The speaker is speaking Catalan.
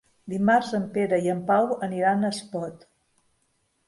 Dimarts en Pere i en Pau aniran a Espot.